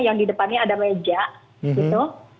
yang di depannya ada meja gitu